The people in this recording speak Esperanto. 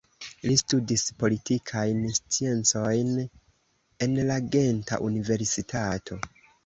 Li studis politikajn sciencojn en la Genta Universitato.